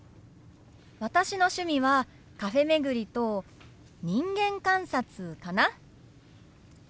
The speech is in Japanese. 私の趣味はカフェ巡りと人間観察かな。